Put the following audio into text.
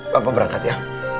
bapak berangkat ya